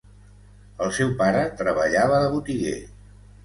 El seu pare treballava de botiguer.